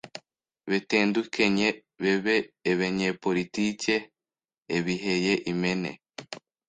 betendukenye bebe ebenyepolitike, ebiheye Imene,